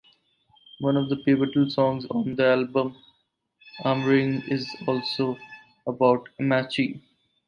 One of the pivotal songs on the album, "Ammaring", is also about Ammachi.